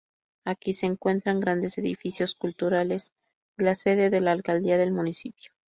Aquí se encuentran grandes edificios culturales, y la sede de la alcaldía del municipio.